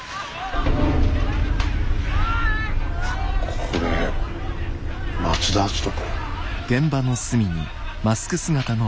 これ松田篤人君。